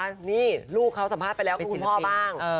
นี่ลูกเขาสัมภาษณ์ไปแล้วกับคุณพ่อบ้าง